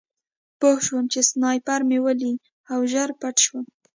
پوه شوم چې سنایپر مې ولي او ژر پټ شوم